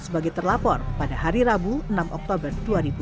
sebagai terlapor pada hari rabu enam oktober dua ribu dua puluh